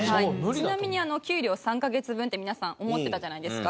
ちなみに給料３カ月分って皆さん思ってたじゃないですか。